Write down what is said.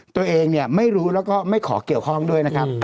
ตัวเองเนี่ยไม่รู้แล้วก็ไม่ขอเกี่ยวข้องด้วยนะครับ